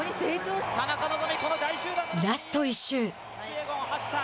ラスト１周。